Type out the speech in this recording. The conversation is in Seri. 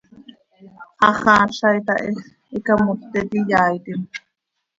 Haxaaza itahíx, icamotet iyaaitim.